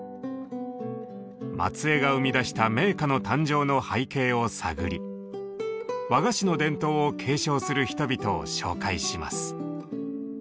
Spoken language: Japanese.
松江が生み出した銘菓の誕生の背景を探り和菓子の伝統を継承する人々を紹介します。